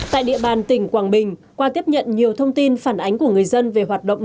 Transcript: tại địa bàn tỉnh quảng bình qua tiếp nhận nhiều thông tin phản ánh của người dân về hoạt động